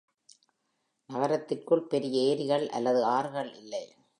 நகரத்திற்குள் பெரிய ஏரிகள் அல்லது ஆறுகள் இல்லை.